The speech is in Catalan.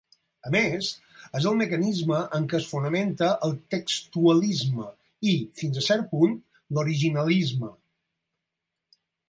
A més, és el mecanisme en què es fonamenta el textualisme i, fins a cert punt, l'originalisme.